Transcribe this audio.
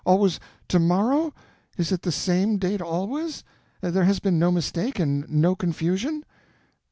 —always to morrow? Is it the same date always? There has been no mistake, and no confusion?"